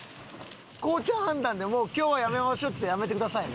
コウちゃん判断で「もう今日はやめましょう」っつってやめてくださいね。